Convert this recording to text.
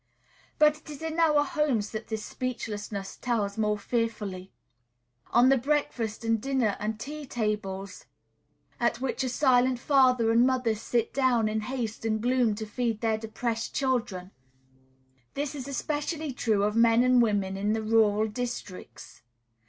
But it is in our homes that this speechlessness tells most fearfully, on the breakfast and dinner and tea tables, at which a silent father and mother sit down in haste and gloom to feed their depressed children. This is especially true of men and women in the rural districts.